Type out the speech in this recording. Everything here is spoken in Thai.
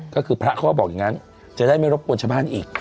ก็คือพระเขาก็บอกอย่างนั้นจะได้ไม่รบกวนชาวบ้านอีก